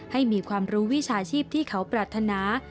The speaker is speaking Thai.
ให้มีความรู้วิชาชีพที่เขาปรารถนา